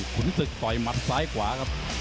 ขุนศึกต่อยหมัดซ้ายขวาครับ